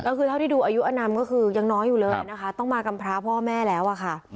ก็คือเท่าที่ดูอายุอนามก็คือยังน้อยอยู่เลยนะคะต้องมากำพระพ่อแม่แล้วอะค่ะ